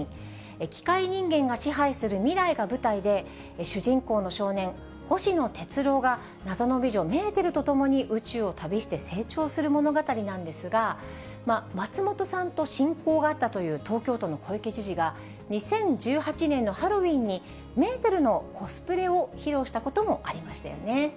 機械人間が支配する未来が舞台で、主人公の少年、星野鉄郎が、謎の美女、メーテルと共に宇宙を旅して成長する物語なんですが、松本さんと親交があったという東京都の小池知事が、２０１８年のハロウィーンに、メーテルのコスプレを披露したこともありましたよね。